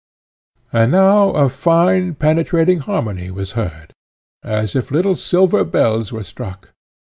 And now a fine, penetrating harmony was heard, as if little silver bells were struck.